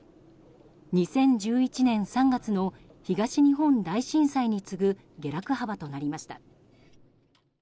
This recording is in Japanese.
２０１１年３月の東日本大震災に次ぐ下落幅となりました。